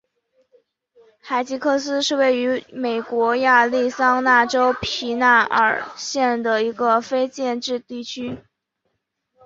海吉克斯是位于美国亚利桑那州皮纳尔县的一个非建制地区。